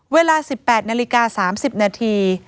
เวลา๑๘นาฬิกา๓๐นาที